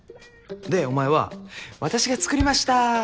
でお前は私が作りました！